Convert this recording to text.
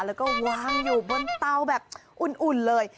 แล้วก็วางอยู่บนเตาแบบอุ่นเลย